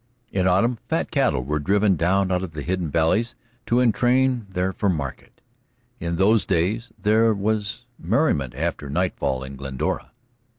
In autumn fat cattle were driven down out of the hidden valleys to entrain there for market. In those days there was merriment after nightfall in Glendora.